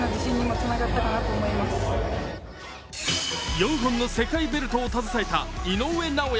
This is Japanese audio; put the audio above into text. ４本の世界ベルトを携えた井上尚弥。